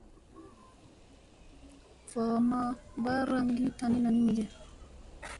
Va ma mbaaraŋ ki tanina ni mige.